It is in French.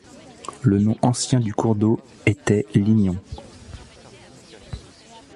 Le nom ancien du cours d'eau était Lignon.